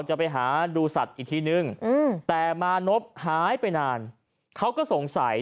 จะไปหาดูสัตว์อีกทีนึงแต่มานพหายไปนานเขาก็สงสัย